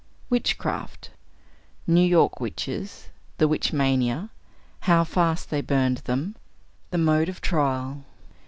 WITCHCRAFT. NEW YORK WITCHES. THE WITCH MANIA. HOW FAST THEY BURNED THEM. THE MODE OF TRIAL.